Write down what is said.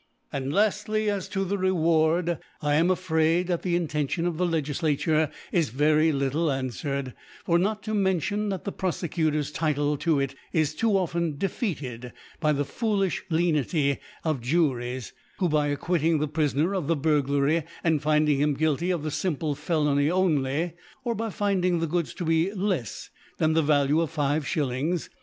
Laftly, As to the Reward, I am afraid that the Intention of the LegiQature is very little anfwered ; For not to mention that the Profecutor's Title to it is too often de feated by the foolifli Lenity of Juries, who by acquitting the Prifoner of the Bufglary aftd finding him guilty of the fimple Felony only, or by finding the Goods to be lefs than the Valye of 5 s.